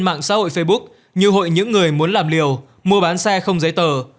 mạng xã hội facebook như hội những người muốn làm liều mua bán xe không giấy tờ